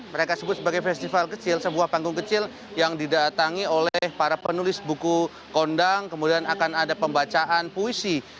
mereka sebut sebagai festival kecil sebuah panggung kecil yang didatangi oleh para penulis buku kondang kemudian akan ada pembacaan puisi